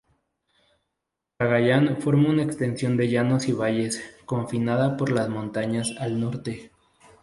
Cagayán forma una extensión de llanos y valles, confinada por las montañas al norte.